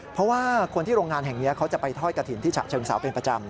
เพราะว่าคนที่โรงงานแห่งนี้เขาจะไปทอดกระถิ่นที่ฉะเชิงเซาเป็นประจำ